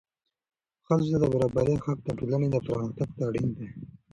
ښځو ته د برابرۍ حق د ټولنې پرمختګ ته اړین دی.